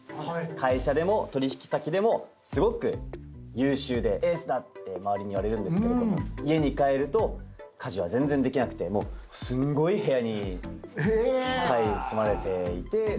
会社でも取引先でもすごく優秀でエースだって周りに言われるんですけれども家に帰ると家事は全然できなくてもうすんごい部屋に住まれていて。